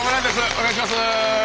お願いします。